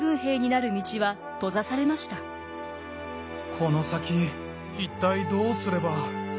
この先一体どうすれば。